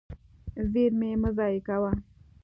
زیرمې مه ضایع کوه.